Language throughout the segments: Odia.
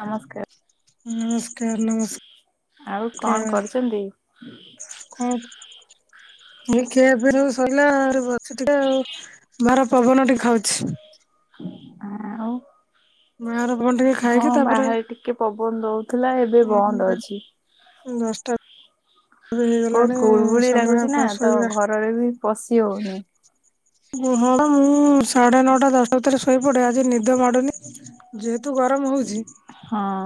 ନମସ୍ ନମସ୍କାର ଆଉ କଣ କରୁଛନ୍ତି ହ ମୁଇ କିଏ ଏବେ ଯୁ ସୋଇଲାା ଆ ବସି ଟିକେ ଆଉ ବାହାର ପବନ ଟିକେ ଖାଉଛି ହଁ ଆଉ [inaudible] ମା ର ଭଣ୍ଡି ହଁ ଖାଇକି ତାପରେ ବାହାରେ ଟିକେ ପବନ ଦଉଥିଲା ଏବେ ବନ୍ଦ ଅଛି। ହ ବହୁତ ହେଇଗଲାଣି ଗୁଳଗୁଳି ସମ ଲାଗୁଛି ନା ତ ପାସ ଘରରେ ବି ପଶି ହଉନି। ହ ହଡା ମୁଁ ସାଢେ ନଅଟା ଦଶଟା ଭିତରେ ଶୋଇପଡେ ଆଜି ନିଦ ମାଡ଼ୁନି ଯେହେତୁ ଗରମ ହଉଛି ହଁ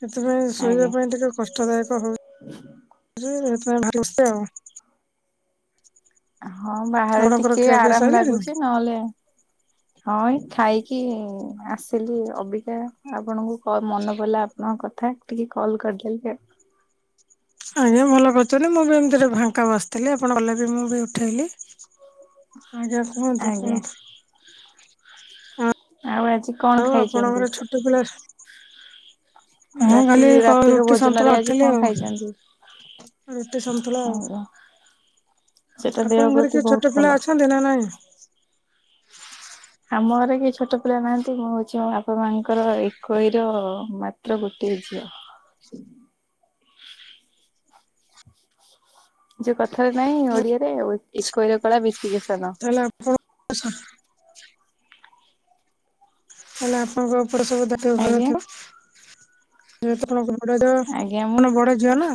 ସେଥିପାଇଁ ଶୋଇବା ପାଇଁ ଟିକେ କଷ୍ଟଦାୟକ ହଉଛି ହ ହଛ ହଁ ବାହାରେ ଆପଣଙ୍କର ଟିକେ ଖିଆ ପିଆ ଆରାମ ସରିଲାଣି ଲାଗୁଛି ନହେଲେ [inaudible] ହଁ ଖାଇକି ଆସିଲି ଅବିକା ଆପଣଙ୍କୁ ମନେ ପଡିଲଲା ଆପଣଙ୍କ କଥା ଟିକେ କଲ୍ କରିଦେଲେ ସେ ଆଜ୍ଞା ଭଲ କରୁଛନ୍ତି ମୁଁ ବି ଏମିତି ଭାଙ୍କା ବ ଆସିଥିଲି ଆପଣ ଗଲେ ବି ମୁଁ ବି ଉଠେଇଲି ଆଜ୍ଞା କୁହନ୍ତୁ ଆଜ୍ଞା କୁହନ୍ତୁ ଆଉ ଆଜି କଣ ଆଉ ଖାଇଛନ୍ତି? ଆପଣଙ୍କର ଛୋଟ ପିଲା ହଁ ରାତି ଖାଲି ରାତିର ରୁଟି ଭୋଜନରେ ସତଳେ ଆଜି ଅଟଥିଲି କଣ ଖାଇଛନ୍ତି? ଆଉ ରୁଟି ସୁଥିଲା ଆଉ ଆଜ୍ଞା ସେଟା ଦେହ ଆପଣଙ୍କ ଘରେ ପ୍ରତି କିଏ ବହୁତ ଛୋଟ ପିଲା ଭଲ। ଅଛନ୍ତି ନା ନାଇଁ ଆମ ଘର କି ଛୋଟ ପିଲା ନାହାନ୍ତି ମୁଁ ହଉଛି ମୋ ବାପା ମାଆଙ୍କର ଏକ ର ମାତ୍ର ଗୋଟିଏ ଝିଅ ଯୋଉ କଥାରେ ନହିଁ ଓଡିଆରେ ଆ ଏକୋଇର କଳା ବେଶୀ କେଶନ ତାହେଲେ ଆଣ ହେଲେ ଆପଣଙ୍କ ଉପରେ ସବୁ ଦଟି ଆଜ୍ଞା ଘର ିବ କଣ କ ଆଜ୍ଞା ମୁଁ ବଟେ ବଡ଼ ଝିଅ ନା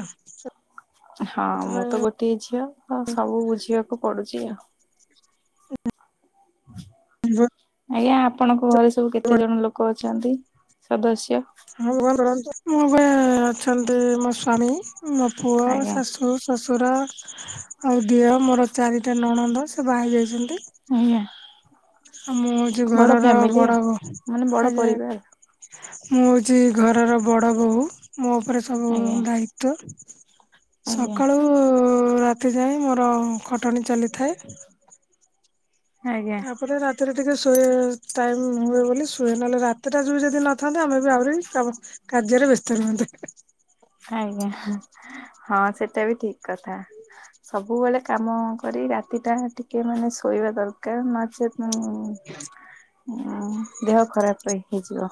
ହଁ ମୁଁ ସେଥିପାଇଁ ତ ଗୋଟିଏ ଝିଅ ତ ସବୁ ବୁଝିବାକୁ ପଡୁଛି ଆଉ ଆଜ୍ଞା ଆପଣଙ୍କ ଘରେ ସବୁ ହଁ କେତେ ଜଣ ଲୋକ ଅଛନ୍ତି ସଦସ୍ୟ ହଁ ଭଲ ମୋ ପାଇଁ ଅଛନ୍ତି ମୋ ସ୍ଵାମୀ ମୋ ପୁଅ ଆଜ୍ଞା ଶାଶୁ ଶଶୁରା ଆଉ ଦିଅ ମୋର ଚାରିଟା ନଣନ୍ଦ ସେ ବାହି ଯାଇଛନ୍ତି ଆଜଞା ଆଉ ମୁଁ ହଉଛି ଘରର ଫ୍ୟାମିଲି ବଡ ଆଉ। ମାନେ ବଡ ଆଜ୍ଞା ପରିବାର ମୁଁ ହଉଛି ଘରର ବଡ ବୋହୂ ମୋ ଉପରେ ସବୁ ଆଜ୍ଞା ଦାୟିତ୍ଵ ତ ଆଜ୍ଞା ସକାଳୁ ରାତି ଯାଏ ମୋର ଖଟଣି ଚାଲିଥାଏ ଆଜ୍ଞା। ତାପରେ ରାତିରେ ଟିକେ ଶୋଇ ଟାଇମ୍ ହୁଏ ବୋଲି ଶୁଏ ନହେଲେ ରାତିଟା ଯ ଯଦି ନଥାନ୍ତେ ଆମେ ବି ଆହୁରି। କାଯ୍ୟରେ ବସ୍ତାର ମ ଆଜ୍ଞା ହଁ ସେଟା ବି ଠିକ କଥା। ସବୁବେଳେ କାମ କରି ରାତି ଟା ଟିକେ ମାନେ ଶୋଇବା ଦରକାର ନଚେତ୍ ହ ହ ଦେହ ଖରାପ ରହି ହେଇଯିବ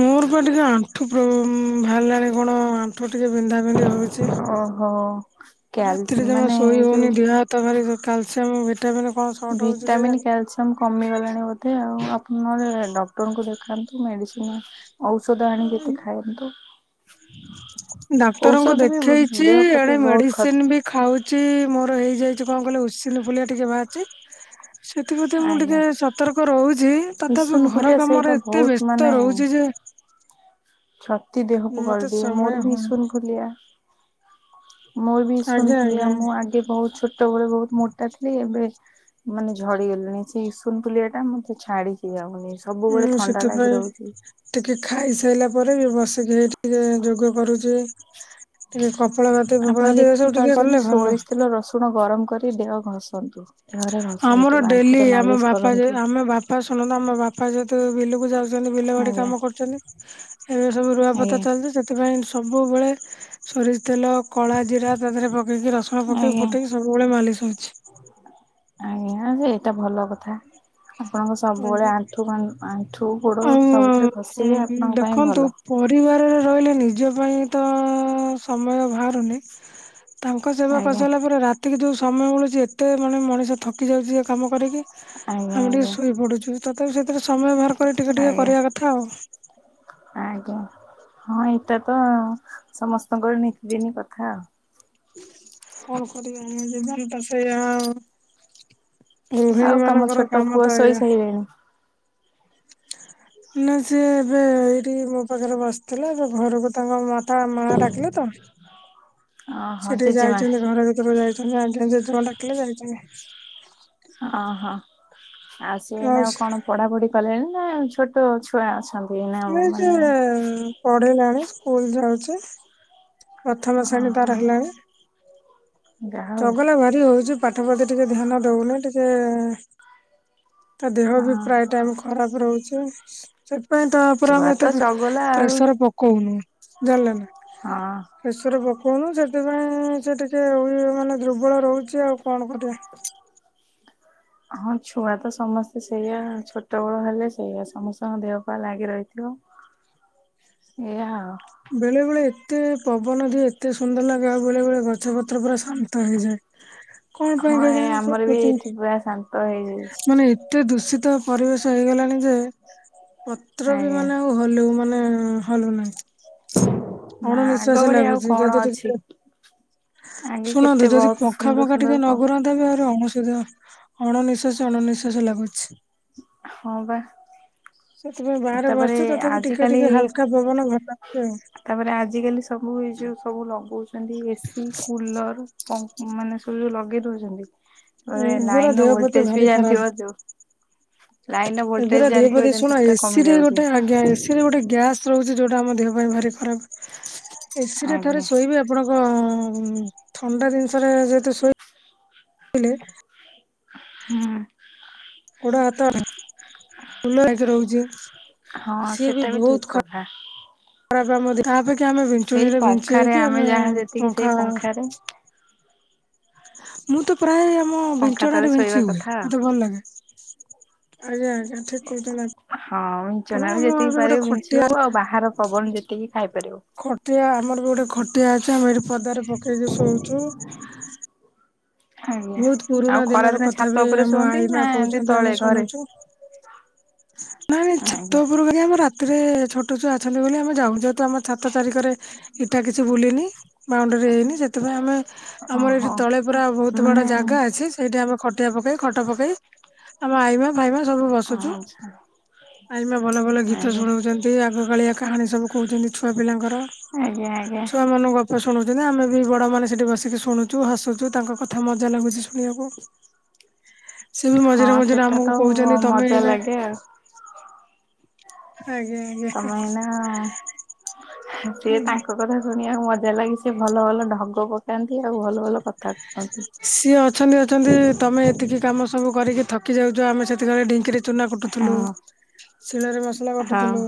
ମୋର ପାଇଁ ଟିକେ ଆଣ୍ଠୁ ବାହାରିଲାଣି କଣ ଆଠୁ ଟିକେ ବିନ୍ଧା ବିନ୍ଧି ହଉଛି ଓହୋ। କ୍ୟାଲ ରାତିରେ ଜମାେ ମାନେ ଶୋଇ ଏଇ ଯୋଉ ହଉନି ଦେହାତ ଗତ ଭ କାଲସିୟମ ଭିଟାମିନ୍ କଣ ସର୍ଟ ହଉଛି କେ ଜାଣି ସମ କମିଗଲାଣି ବୋଧେ ଆଉ ଆପଣ ଡକ୍ଟରଙ୍କୁ ଦେଖାନ୍ତୁ ମେଡ଼ିସିନ। ଔଷଧ ଆଣ ଯେତେ ଖାଆନ୍ତୁ ଡାକ୍ତରଙ୍କୁ ଔଷଧ ବି ଦେଖେଇଛି ଦେହ ପ୍ରତି ଏଡେ ବହୁତ ଖ ମେଡିସିନ ବି ଖାଉଛି ମୋର ହେଇଯାଇଛି କଣ କହିଲ ଉସିିନ ଫୁଲିଆ ଟିକେ ବାଚି ସେଥିପ୍ରତି ମୁଁ ଆଜ୍ଞା ଟିକେ ସତର୍କ ରହୁଛି ତଥାପି ଇସୁନ ଘର ଫୁଲିଆ ସେଇଟା କାମରେ ଏତେ ବହୁତ ବ୍ୟସ୍ତ ରହୁଛି ଯେ ଛତି ଦେହକୁ ମତେ ଗଦିଏ ସମୟ ମୋର ବି ହଉନି ଈସୁଣ ଭୁଲଆ ମୁଁ ବି ଆଜ୍ଞା ଶୁଣିଥିଲିଆ ଆଜ୍ଞା ମୁଁ ଆଗେ ବହୁତ ଛୋଟବେଳେ ବହୁତ ମୋଟା ଥିଲି ଏବେ ମାନେ ଝଡିଗଲେଣି ସେ ଇସୁନ ପୁଲିଆ ଟା ମତେ ଛାଡିକି ଯାଉନି। ସବୁବେଳେ ମୁଁ ଥଣ୍ଡା ଲାଗି ସେଥିପାଇଁ ରହୁଛି। ଟିକେ ଖାଇସାରିଲା ପରେ ବି ବସିକି ହେଇ ଟିକେ ଯୋଗ କରୁଛି। ଟିକେ କପଳପାତି ଫୋପାଳପାତି ଏ ସବୁ ଟିକେ କଲେ ଭଲ। ଲୁଣ ଗରମ କରି ଦେହ ଘଷନ୍ତୁ। ଦେହରେ ଘଷନ୍ତୁ ଆମର ଡେଲି ଆଣ୍ଠୁରେ ଆମ ମାଲିସ ବାପା ଯେ କରନ୍ତୁ ଆମେ ବାପା ଶୁଣନ୍ତୁ ଆମ ବାପା ଯେତେ ବିଲକୁ ଯାଉ ବିଲ ବାଡି ଆଜ୍ଞା କାମ କରୁଛନ୍ତି ଏବେ ସବୁ ରୁଆପତା ଆଜ୍ଞା। ଚାଲିଚି ସେଥିପାଇଁ ସବୁବେଳେ ସୋରିଷ ତେଲ କଳା ଜିରା ତା ଦେହରେ ପକେଇକି ରସୁଣ ପକେଇି ଆଜ୍ଞା ଫୁଟେଇକି ସବୁବେଳେ ମାଲିସ ହଉଛି। ଆଜ୍ଞା ଯେ ଏଇଟା ଭଲ କଥା। ଆପଣଙ୍କ ସବୁବେଳେ ଆଜ୍ଞା। ଆଣ୍ଠୁ ଗ ଆଣ୍ଠୁ ଗୋଡ ଆଉ ସବୁଥିରେ ଘଷିବେ ଉଁ, ଆପଣଙ୍କ ପାଇଁ ଦେଖନ୍ତୁ ଭଲ। ପରିବାରରେ ରହିଲେ ନିଜ ପାଇଁ ତ ସମୟ ବାହାରୁନି। ତାଙ୍କ ସେବା ଆଜ୍ଞା କରିସାରିଲା ପରେ ରାତିକ ଯୋଉ ସମୟ ମିଳୁଛି ଏତେ ମାନେ ମଣିଷ ଥକି ଯାଉଛି ସେ କାମ କରିକି ଆଜ୍ଞା ଆମେ ଟିକେ ଆଜ୍ଞା ଶୋଇ ପଡୁଛୁ ତଥାପି ସେଥିରେ ସମୟ ବାହାର କରି ଟିକେ ଟିକେ ଆଜ୍ଞା। କରିବା କଥା ଆଉ। ଆଜ୍ଞା ହଁ ଏଇଟା ତ ସମସ୍ତଙ୍କର ନିତିଦିନି କଥା ଆଉ। କଣ କରିବା ଆମ ଜୀବନ ତ ସେଇଆ ଆଉ। ଗୃହିଣୀ ଆଉ ତମ ମାନଙ୍କର ଛୋଟ କାମ ପୁଅ ତ ଏଇଆ। ଶୋଇସାଇଲେଣି? ନା ସିଏ ଏବେ ଏଇଠି ମୋ ପାଖରେ ବସିଥିଲେ ଏବେ ଘରକୁ ତାଙ୍କ ମା ତା ମା ଡାକିଲେ ତ ଓହୋ ସେଠିକି ଜେଜେମା ଯାଇଛନ୍ତି ଘର ଭିତରୁ ଯାଇ ଆଜ୍ଞା ଯେଯେମା ଡାକିଲେ ଯାଇଛି। ଓହୋ ଆସଏନା ଆଉ କଣ ପଢାପଢି କଲେଣି ନା ଛୋଟ ତ ଛୁଆ ଅଛନ୍ତି ନା ମାନେ ଉଁ ପଢିଲାଣି ସ୍କୁଲ ଯାଉଛି, ପ୍ରଥମ ଶ୍ରେଣୀ ଓହୋ ତାର ହେଲାଣି। ଯାହା ହଉ ଚଗଲା ଭାରି ହଉଛି ପାଠ ଫାଟ ଟିକେ ଧ୍ୟାନ ଦଉନି ଟିକେ ତା ଦେହ ହଁ ବି ପ୍ରାୟ ଟାଇମ ଖରାପ ରହୁଛି। ସେଥିପାଇଁ ତା ଉପରେ ଛୁଆ ଆମେ ତ ଏତେ ପେ ଚଗଲା ଆଉ ପ୍ରେସର ପକଉନୁ ଜାଣିଲେ ନା? ଆଁ। ପେଶର ପକଉନୁ ସେଥିପାଇଁ ସେ ଟିକେଏ ଉଇ ମାନେ ଦୁର୍ବଳ ରହୁଛି ଆଉ କଣ କରିବା? ହଁ ଛୁଆ ତ ସମସ୍ତେ ସେଇଆ ଛୋଟ ବେଳେ ହେଲେ ସେଇଆ ସମସ୍ତଙ୍କ ଦେହ ପା ଲାଗି ରହିଥିବ। [inaudible] ଏଇଆ ଆଉ। ବେଳେ ବେଳେ ଏତେ ପବନ ଦିଏ ଏତେ ସୁନ୍ଦର ଲାଗେ ଆଉ ବେଳେ ବେଳେ ଗଛ ପତ୍ର ପୁରା ଶାନ୍ତ ହେଇଯାଏ। କଣ ହଁ ପାଇଁ ଏ କେଜାଣି ଆମର ବି ପ୍ରକୃତି ଏଠି ପୁରା ଶାନ୍ତ ହେଇଯାଇଛି ମାନେ ଏ ଏତେ ଦୂଷିତ ପରିବେଶ ହେଇଗଲାଣି ଯେ ପତ୍ର ବି ଆଜ୍ଞା। ମାନେ ଆଉ ହଲୁ ମାନେ ହଲୁ ନାହିଁ। ନା ଅଣ ଆଗ ନିଃଶ୍ଵାସ ଭଳି ଆଉ ଲାଗୁଛି କଣ ଯଦି ଅଛି ଟିକେ ଆଗେ କେତେ ଶୁଣନ୍ତୁ ଯଦି ବହୁତ ପଙ୍ଖା ସୁନ୍ଦର ଫଙ୍କା ସୁନ୍ଦର ଟିକେ ପ ନଘୁରନ୍ତା ମତେ ଭାରି ଅନସୁଦିଆ ଅଣନିଶ୍ଵାସ ଅଣନିଶ୍ଵାସ ଲାଗୁଛି। ହଁ ବା। ସେଥିପାଇଁ ବାହାରେ ତାପରେ ବସିଛି ତଥାପି ଟିକେ ଆଜିକାଲି ଟିକେ ହାଲକା ପବନ ଭଲ ଲାଗୁଛି ଆଉ। ତାପରେ ଆଜିକାଲି ସବୁ ଏଇ ଯୋଉ ସବୁ ଲଗଉଛନ୍ତି ଏସି, କୁଲର କ ମାନେ ସବୁ ଯୋଉ ଲଗେଇ ଦଉଛନ୍ତି। ଏବେ ଏଗୁରା ଲାଇନ ର ଦେହ ପ୍ରତି ଭୋଲଟେଜ ବି ଭାରି ଖରାପ ଜାଣିଥିବ ଯୋଉ ଲାଇନ ର ଭୋଲଟେଜ ଜାଣିଥିବ ଯେମତି? ଏସିରେ ଗୋଟେ ଆଜ୍ଞା ଏସିରେ ଗୋଟେ ଗ୍ୟାସ୍ ରହୁଛି ଯୋଉଟା ଆମ ଦେହ ପାଇଁ ଭାରି ଖରାପ। ଏସିରେ ଥରେ ଆଜ୍ଞା ଶୋଇବେ ଆପଣଙ୍କ ଥଣ୍ଡା ଜିନିଷରେ ଯେହେତୁ ଶୋଇ ଇଲେ ହୁଁ। ଗୋଡ଼ ହାତ ଆଉ ଫୁଲ ହେଇକି ରହୁଛି। ହଁ ସିଏ ସେଟା ବି ବହୁତ ଠିକ ଖ କଥା। ଖରାପ ଆମେ ତା ଅପେକ୍ଷା ଆମେ ସେଇ ବିଞ୍ଚୁଣିରେ ବିଞ୍ଚି ପଙ୍ଖାରେ ହେଇକି ହେଇକି ଯାହା ଆମେ ଯେତିକି ସେଇ ପଙ୍ଖା ହାୱା ପଙ୍ଖାରେ ମୁଁ ତ ପ୍ରାୟ ଆମ ପଙ୍ଖା ବିଞ୍ଚଣା ତଳେ ରେ ଶୋଇବା ବିଞ୍ଚି ହୁଏ କଥା ଆଉ ମତେ ଭଲ ଲାଗେ। ଆଜ୍ଞା ଆଜ୍ଞା ଠିକ କହୁଛନ୍ତି ଆପ ହଁ ବିଛନାରେ ଯେତିକି ପାରିବ ଖଟିଆ ବିଞ୍ଚିହବୁ ଆଉ ବାହାର ପବନ ଯେତିକି ଖାଇ ପାରିବୁ। ଖଟିଆ ଆମର ବି ଗୋଟେ ଖଟିଆ ଅଛି ଆମେ ଏଇଠି ପଦାରେ ପକେଇକି ଶୋଉଛୁ। ଆଜ୍ଞା। ବହୁତ ଆଉ ପୁରୁଣା ଖରା ଦିନର ଦିନେ କଥା ଛାତ ବି ଉପରେ ଆମ ଶୁଅନ୍ତି ଆଈ ନା ମା ଏମିତି କହୁଛନ୍ତି ତଳେ ଆମେ ଘରେ? ଶୁଣୁଛୁ। ନାଇଁ ଛାତ ଆଜ୍ଞା। ଉପୂରକୁ ଆମ ରାତିରେ ଛୋଟ ଛୁଆ ଅଛନ୍ତି ବୋଲି ଆମେ ଯାଉନୁ ଯେହେତୁ ଆମ ଛାତ ଚାରିିକରେ ଇଟା କିଛି ବୁଲିନି ବାଉଣ୍ଡେରୀରେ ହେଇନି ସେଥିପାଇଁ ଆମେ ଆମର ଓହୋ ଏଠି ତଳେ ପୁରା ବହୁତ ବଡ ମାନେ ଜାଗା ଅଛି। ସେଇଠି ଆମେ ଖଟିଆ ପକେଇ ଖଟ ପକେଇ ଆମ ଆଇମା ଫାଇମା ସବୁ ବସୁଛୁ। [inaudible] ଆଇମା ଭଲ ଭଲ ଗୀତ ଆଜ୍ଞା। ଶୁଣଉଛନ୍ତି ଆଗକାଳିଆ କାହାଣୀ ସବୁ କହୁଛନ୍ତି ଛୁଆ ପିଲାଙ୍କର। ଆଜ୍ଞା ଆଜ୍ଞା। ଶୁଣୁଛନ୍ତି ଆମେ ବି ବଡ଼ମାନେ ସେଇଠି ବସିକି ଶୁଣୁଛୁ ହସୁଛୁ ତାଙ୍କ କଥା ମଜା ଲାଗୁଛି ଶୁଣିବାକୁ। ସିଏ ବି ହଁ ମଝିରେ ମଝିରେ ସେଟା ତ ଆମକୁ କହୁଛନ୍ତି ତମେ ମଜା ଏଇନା ଲାଗେ ଆଉ। ଆଜ୍ଞା ଆଜ୍ଞା। ତମେ ଏଇନା ସିଏ ତାଙ୍କ କଥା ଶୁଣିବାକୁ ମଜା ଲାଗି ସେ ଭଲ ଭଲ ଢଗ ପକେଇ ନ୍ତି ଆଉ ଭଲ ଭଲ କଥା କୁହନ୍ତି। ସିଏ ଅଛନ୍ତି ଅଛନ୍ତି ତମେ ଏତିକି କାମ ସବୁ କରିକି ଥକି ଯାଉଛ ଆମେ ସେତିକିରେ ଢିଙ୍କିରେ ଚୁନା କୁଟୁଥିଲୁ ହଁ। ଶିଳରେ ମସଲା ହଁ। ବାଟୁଥିଲୁ।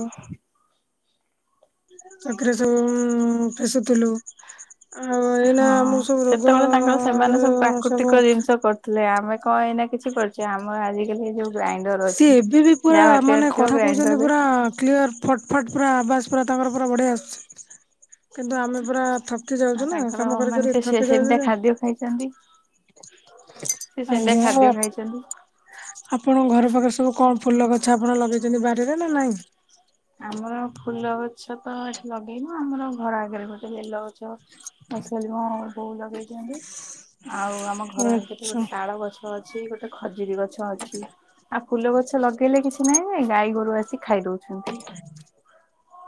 ଚକିରେ ସବୁ ଫେସୁଥିଲୁ। ଆଉ ଏଇନା ହଁ ଆମକୁ ସବୁ ରୋଗ ସେତେବେଳେ ଆମର ସବୁ ଥିଲେ ଆମେ କଣ ଏଇନା କିଛି କରୁଛେ ଆମର ଆଜିକାଲି ଯୋଉ ଗ୍ରାଇଣ୍ଡର ଅଛି ସିଏ ଏବେ ବି ପୁରା ଯାହା ବାଟିବାର ମାନେ ଥିବ କଥା କହୁଛନ୍ତି ଗ୍ରାଇଣ୍ଡରରେ ପୁରା କ୍ଲିୟର। ଫଟ୍ ଫଟ୍ ପୁରା ଆବାଜ୍ ପୁରା ତାଙ୍କର ପୁରା ବଢିଆ ଆସୁଛି। କିନ୍ତୁ ଆମେ ପୁରା ଥକି ଆଉ ଯାଉଛୁ ନା ତାଙ୍କର କାମ କରି ମାନେ କରି ସେ ସେ ଥକି ଯାଉଛୁ ସେମିତିଆ ଯେ। ଖାଦ୍ୟ ଖାଇଛନ୍ତି ସେ ସେମିତିଆ ଆଜ୍ଞା ଆଉ ଖାଦ୍ୟ ଖାଇଛନ୍ତି। ଆପଣଙ୍କ ଘର ପାଖରେ ସବୁ କଣ ଫୁଲ ଗଛ ଆପଣ ଲଗେଇଛନ୍ତି ବାରିରେ ନା ନାଇଁ? ଆମର ଫୁଲ ଗଛ ତ ଏଠି ଲଗେଇନୁ ଆମର ଘର ଆଗରେ ଗୋଟେ ବେଲ ଗଛ [unintelligible] ବଉ ଲଗେଇଛନ୍ତି। ଆଉ ଆମ ଘର ଆଗ ଆଚ୍ଛା। ଗୋଟେ ତାଳ ଗଛ ଅଛି ଗୋଟେ ଖଜୁରୀ ଗଛ ଅଛି ଆଉ ଫୁଲ ଗଛ ଲଗେଇଲେ କିଛି ନାହିଁ ନାଇ ଗାଈ ଗୋରୁ ଆସି ଖାଇ ଦଉଛନ୍ତି।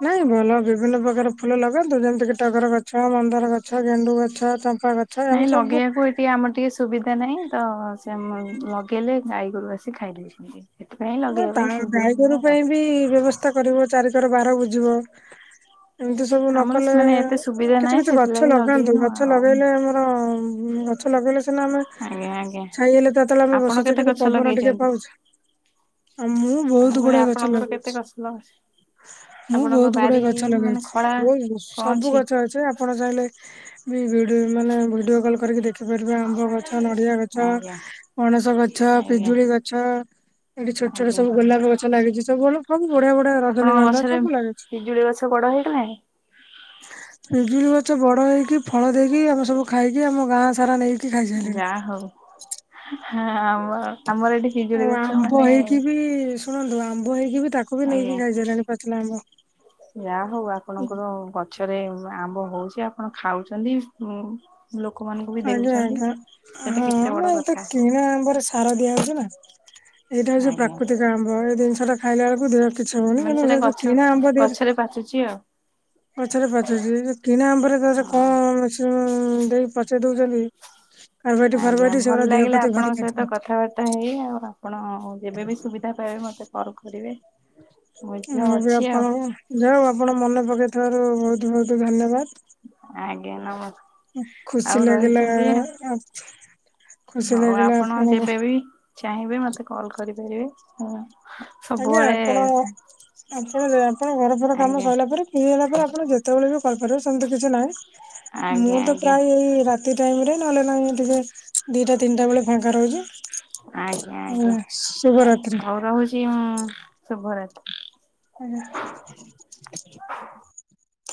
ନାଇଁ ଭଲ ବିଭିନ୍ନ ପ୍ରକାର ଫୁଲ ଲଗାନ୍ତୁ ଯେମିତି କିି ଟଗର ଗଛ ମନ୍ଦାର ଗଛ ଗେଣ୍ଡୁ ଗଛ ଚମ୍ପା ଗଛ। ନାଇଁ ଆମେ ସବୁ ଲଗେଇବାକୁ ଏଠି ଟିକେ ଆମର ଟିକେ ସୁବିଧା ନାହିଁ ତ ସେ ଲଗେଇଲେ ଗାଈ ଗୋରୁ ଆସି ଖାଇଦଉଛନ୍ତି। ସେଥିପାଇଁ ନା ଲଗେଇବା ତା ପାଇଁ ସୁବିଧା ଗାଈଗୋରୁ ନାହିଁ ଆଉ। ପାଇଁ ବି ବ୍ୟବସ୍ଥା କରିବ ଚାରିିକର ବାର ବୁଜିବ। ଏମିତି ସବୁ ନ ଆମର କଲେ ମାନେ ଏତେ ସୁବିଧା କିଛି ନାହିଁ କିଛି ଗଛ ସେଥିଲାଗି ଲଗାନ୍ତୁ ଲଗେଇନୁ ଗଛ ଆଉ। ଲଗେଇଲେ ଆମର ଗଛ ଲଗେଇଲେ ସିନା ଆମେ ଆଜ୍ଞା ଆଜ୍ଞା ଛାଇ ହେଲେ ତା ତେଳେ ଆମେ ଆପଣ ବସୁଛେ କେତେ କିନ୍ତୁ ଗଛ ପବନ ଟିକେ ଲଗେଇଛନ୍ତି? ପାଉଛେ। ଆଉ ମୁଁ ଆମ ବହୁତ କହିଲି ଗୁଡାଏ ଗଛ ଆପଣଙ୍କର କେତେ ଲଗେଇଛି। ଗଛ ଲଗା ମୁଁ ଆପଣଙ୍କ ବହୁତ ଗୁଡା ବାରି ଗଛ ମାନେ ଲଗେଇଛି ଖଳା ବହୁତ ସବୁ ଗଛ ଅଛି ଆ ପଣ ଚାହିଁଲେ ବି ଭିଡିଓ ମାନେ ଭିଡ଼ିଓ କଲ୍ କରିକି ଦେ ଖିପାରିବେ ଆମ୍ବ ଗଛ, ନଡ଼ିଆ ଗଛ, ଆଜ୍ଞା ପଣସ ଗଛ, ଆଜ୍ଞା ପିଜୁଳି ଗଛ ଏଠି ଛୋଟ ଛୋଟ ଆଜ୍ଞା। ସବୁ ଗୋଲାପ ଗଛ ଲାଗିଛି ସବୁ। ସବୁ ବଢିଆ ବଢିଆ ଆପଣଙ୍କ ରଜନୀଗନ୍ଧା ଗଛରେ ସବୁ ଲାଗିଛି। ପିଜୁଳି ଗଛ ବଡ ହେଇଗଲାଣି? ପିଜୁଳି ଗଛ ବଡ ହେଇକି ଫଳ ଦେଇକି ଆମେ ସବୁ ଖାଇକି ଆମ ଗାଁ ସାରା ନେଇକି ଖାଇସାରିଲେଣି। ଯାହା ହଉ ହାଁ ଆମ ଆମର ଏଠି ଆଉ ପିଜୁଳି ଗଛ ଆମ୍ବ ମାନେ ହେଇକି ବି ଶୁଣନ୍ତୁ ଆମ୍ବ ହେଇକି ବି ତାକୁ ବି ଆଜ୍ଞା। ନେଇକି ଖାଇସାଇଲେଣି ପାଚିଲା ଆମ୍ବ। ଯାହା ହଉ ଆପଣଙ୍କର ଗଛରେ ଆମ୍ବ ହଉଛି ଆପଣ ଖାଉଛନ୍ତି। ଲୋକମାନଙ୍କୁ ବି ଆଜ୍ଞା ଦେଉଛନ୍ତି। ଆଜ୍ଞା ସେଟା ହଁ କେତେ ବଡ ମ ଏ ତ କଥା କିଣା ଆମ୍ବରେ ତ ସାର ଦିଆ ହଉଛି ନା ଏଇଟା ହଉଛି ଆଜ୍ଞା ପ୍ରାକୃତିକ ଆମ୍ବ ଏ ଜିନିଷ ଟା ଖାଇଲା ବେଳକୁ ଦେହ କିଛି ହବନି କିନ୍ତୁ ସେ ଯଉ କିଣା ଆମ୍ବ ଦେହରେ ଏବେ ପାଚୁଛି ଆଉ। ଗଛରେ ପାଚୁଛି କିଣା ଆମ୍ବରେ ତାର ଯେ ହଁ କଣ ମେସିନ୍ ଦେଇ ପଚେଇ ଦଉଛନ୍ତି। [inaudible] ଆଜ୍ଞା ଫାରବାଇଟି ସେଗୁରା ଭଲ ଦେହ ଲାଗିଲା ପ୍ରତି ଭାରି ଆପଣଙ୍କ କ୍ଷତି ସହିତ କରୁଛି। କଥାବାର୍ତ୍ତା ହେଇ ଆଉ ଆପଣ ଯେବେବି ସୁବିଧା ପାଇବେ ମତେ କଲ କରିବେ। ମଧ୍ୟ ମୁଁ ବି ଅଛି ଆଉ ଆପଣଙ୍କୁ ଯାହଉ ଆପଣ ମନେ ପକେଇଥିବାରୁ ବହୁତ ବହୁତ ଧନ୍ୟବାଦ। ଆଜ୍ଞା ନମ ଖୁସି ଆଉ ଲାଗିଲା ରହିଛନ୍ତି, ଖୁସି ହଉ ଲାଗିଲା ଆପଣ ଆପଣଙ୍କ ଯେବେବି ଚାହିଁବେ ମତେ କଲ୍ କରିପାରିବେ ମୁ ଆଜ୍ଞା ସବୁବେଳେ ଆପଣ ଆପଣ ଆପଣ ଘର ଫର କାମ ଆଜ୍ଞା ସଇଲା ପରେ ହେଇଗଲା ପରେ ଆପଣ ଯେତେବେଳେ ବି କହିପାରିବେ ସେମିତି କିଛି ନାହିଁ ଆଜ୍ଞା ମୁଁ ତ ଆଜ୍ଞା ପ୍ରାୟ ଏଇ ରାତି ତି ଟାଇମ୍ ରେ ନହେଲେ ନାଇଁ ଟିକେ ଦିଇଟା ତିନିଟା ବେଳେ ଫାଙ୍କା ରହୁଛି, ଆଜ୍ଞା ଆଁ ଶୁଭରାତ୍ରି। ଜି ହଁ ଶୁଭରାତ୍ରି। [inaudible]